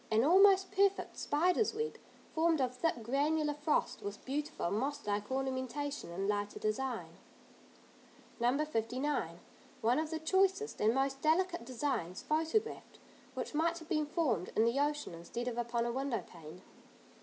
An almost perfect spider's web, formed of thick, granular frost, with beautiful moss like ornamentation in lighter design. No. 59. One of the choicest and most delicate designs photographed which might have formed in the ocean instead of upon a window pane.